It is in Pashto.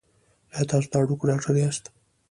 ایا تاسو د هډوکو ډاکټر یاست؟